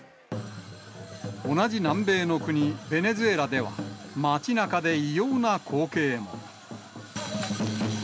同じ南米の国、ベネズエラでは、街なかで異様な光景も。